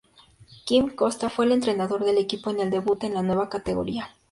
Quim Costa fue el entrenador del equipo en el debut en la nueva categoría.